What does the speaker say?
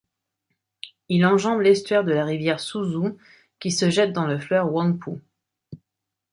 Il enjambe l'estuaire de la rivière Suzhou qui se jette dans le fleuve Huangpu.